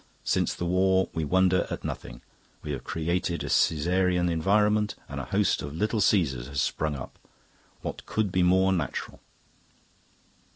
Since the war we wonder at nothing. We have created a Caesarean environment and a host of little Caesars has sprung up. What could be more natural?"